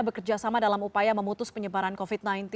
bekerjasama dalam upaya memutus penyebaran covid sembilan belas